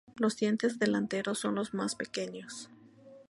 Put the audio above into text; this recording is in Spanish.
Los dientes delanteros son los más pequeños.